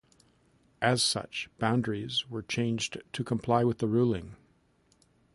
As such, boundaries were changed to comply with the ruling.